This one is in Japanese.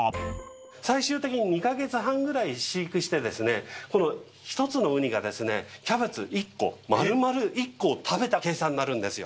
最終的に２か月半ぐらい飼育してですね、この１つのウニが、キャベツ１個、丸々１個を食べた計算になるんですよ。